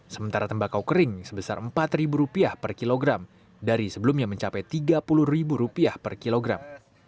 sementara tembakau kering sebesar empat rupiah per kilogram dari sebelumnya mencapai tiga puluh rupiah per kilogram